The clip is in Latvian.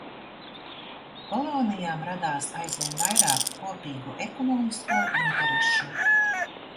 Kolonijām radās aizvien vairāk kopīgu ekonomisko interešu.